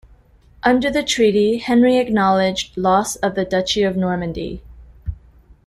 Under the Treaty, Henry acknowledged loss of the Duchy of Normandy.